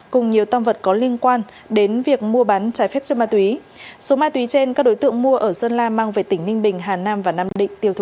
cùng nhiều tam vật có liên quan đến việc mua bán trái phép trên ma túy số ma túy trên các đối tượng mua ở sơn la mang về tỉnh ninh bình hà nam và nam định tiêu thụ